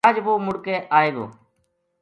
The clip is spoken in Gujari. اج وہ مڑ کے آئے گو